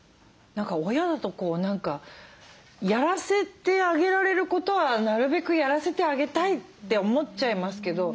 親だと何かやらせてあげられることはなるべくやらせてあげたいって思っちゃいますけど。